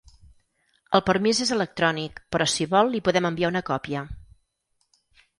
El permís és electrònic però si vol li podem enviar una còpia.